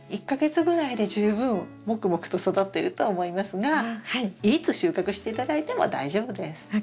１か月ぐらいで十分もくもくと育ってると思いますがいつ収穫して頂いても大丈夫です。